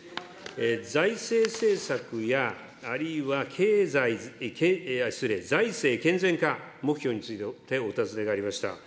財政政策や、あるいは経済、失礼、財政健全化目標についてお尋ねがありました。